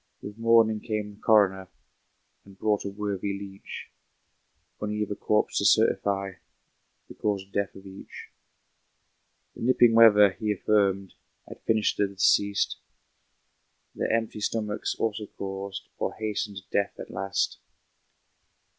With morning came the coroner, And brought a worthy leech, On either corpse to certify The cause of death of each. The nipping weather, he affirmed, Had finished the deceased. Their empty stomachs also caused, Or hastened death at last.